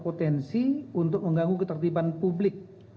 pengurusnya memiliki potensi untuk mengganggu ketertiban publik